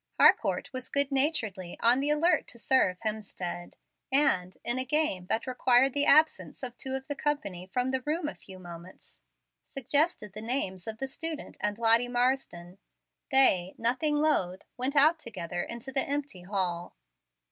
Harcourt was good naturedly on the alert to serve Hemstead, and, in a game that required the absence of two of the company from the room a few moments, suggested the names of the student and Lottie Marsden. They, nothing loath, went out together into the empty hall.